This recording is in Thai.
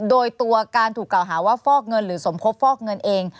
โดยตัวการถูกกล่าวหาว่าฟอกเงินหรือสมคบฟอกเงินเอง